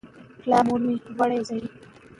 پلار د زاړه کتاب په پاڼو تمرکز وکړ.